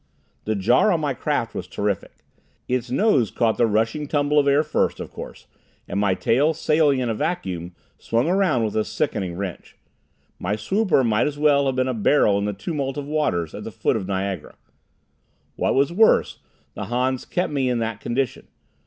The jar on my craft was terrific. Its nose caught the rushing tumble of air first, of course, and my tail sailing in a vacuum, swung around with a sickening wrench. My swooper might as well have been a barrel in the tumult of waters at the foot of Niagara. What was worse, the Hans kept me in that condition.